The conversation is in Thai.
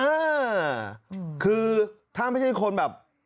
เออคือถ้าไม่ใช่คนแบบ